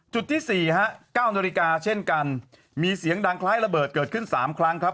ที่๔ฮะ๙นาฬิกาเช่นกันมีเสียงดังคล้ายระเบิดเกิดขึ้น๓ครั้งครับ